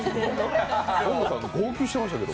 紺野さん、号泣してましたけど。